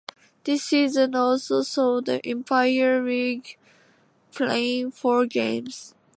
This season also saw the Empire League playing four games.